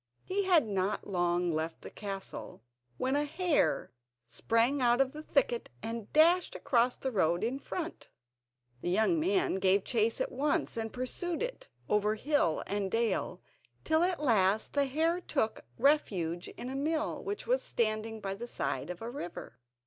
He had not long left the castle, when a hare sprang out of a thicket and dashed across the road in front. The young man gave chase at once, and pursued it over hill and dale, till at last the hare took refuge in a mill which was standing by the side of a river.